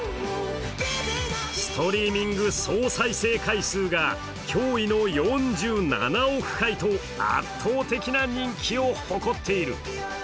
ストリーミング総再生回数驚異の４７億回と圧倒的な人気を誇っている。